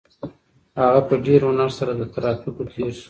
هغه په ډېر هنر سره له ترافیکو تېر شو.